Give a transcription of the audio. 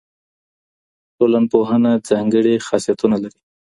ټولنپوهنه ځانګړي خاصيتونه لري.